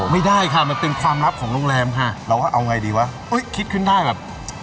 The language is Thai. ไม่ได้ค่ะมันเป็นความลับของโรงแรมค่ะเราว่าเอาไงดีวะอุ้ยคิดขึ้นได้แบบ